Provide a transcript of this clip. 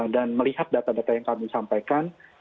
dan melihat data data yang kami sampaikan